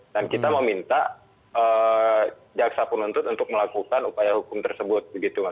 dan kita mau minta jaksa penuntut untuk melakukan upaya hukum tersebut